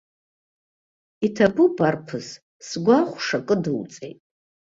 Иҭабуп арԥыс, сгәы ахәша кыдуҵеит.